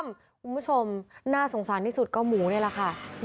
คุณผู้ชมน่าสงสารที่สุดก็หมูนี่แหละค่ะ